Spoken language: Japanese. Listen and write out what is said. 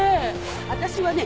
私はね